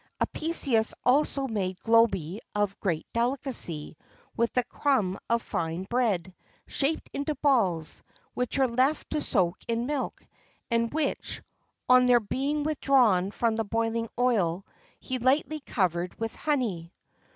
[XXIV 26] Apicius also made globi of great delicacy with the crumb of fine bread, shaped into balls, which were left to soak in milk, and which, on their being withdrawn from the boiling oil, he lightly covered with honey.